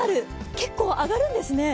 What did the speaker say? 結構上がるんですね。